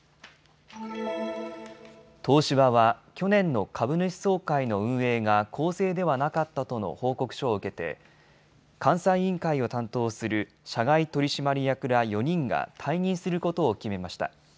東芝は去年の株主総会の運営が公正ではなかったとの報告書を受けて監査委員会を担当する社外取締役ら４人が退任することを決めました。